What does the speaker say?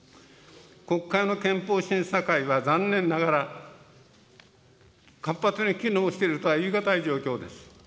国会の憲法審査会は、残念ながら、活発に機能しているとは言い難い状況です。